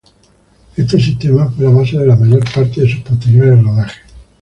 Este sistema fue la base de la mayor parte de sus posteriores rodajes.